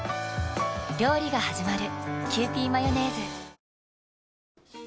料理がはじまる。